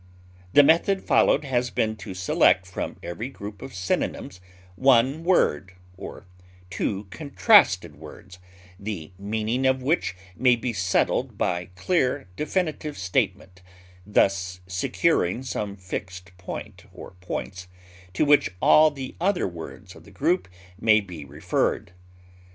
The method followed has been to select from every group of synonyms one word, or two contrasted words, the meaning of which may be settled by clear definitive statement, thus securing some fixed point or points to which all the other words of the group may be referred.